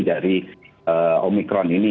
dari omikron ini